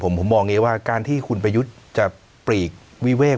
ผมมองอย่างนี้ว่าการที่คุณประยุทธ์จะปลีกวิเวก